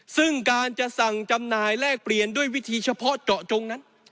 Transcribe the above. ซึ่งการจะสั่งจำหน่ายแลกเปลี่ยนด้วยวิธีเฉพาะเจาะจงนั้น